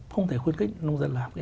không thể khuyến khích nông dân làm